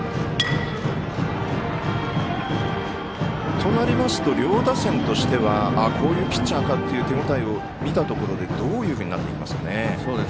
となりますと両打線としてはこういうピッチャーかという手応えを見たところでどういうふうになっていきますか。